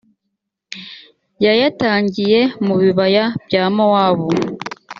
yayatangiye mu bibaya bya mowabu